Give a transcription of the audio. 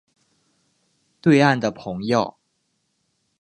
对岸的朋友